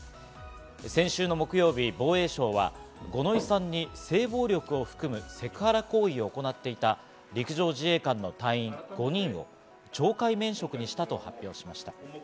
先週木曜日、防衛省は五ノ井さんに性暴力を含む、セクハラ行為を行っていた陸上自衛官の隊員５人を懲戒免職にしたと発表しました。